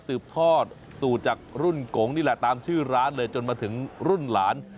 สืบทอดสูตรจากรุ่นโกงนี่แหละตามชื่อร้านเลยจนมาถึงรุ่นหลาน